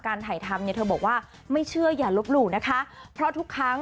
ถ่ายทำเนี่ยเธอบอกว่าไม่เชื่ออย่าลบหลู่นะคะเพราะทุกครั้ง